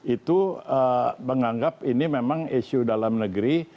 itu menganggap ini memang isu dalam negeri